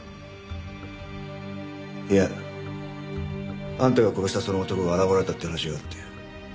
いやあんたが殺したその男が現れたって話があって。